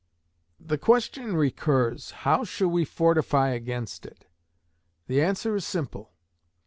The question recurs, How shall we fortify against it? The answer is simple.